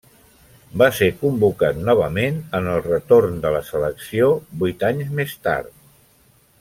Va ser convocat novament en el retorn de la selecció vuit anys més tard.